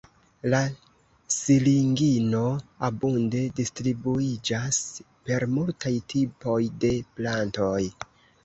La siringino abunde distribuiĝas per multaj tipoj de plantoj.